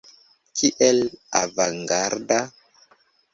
Kiel avangarda!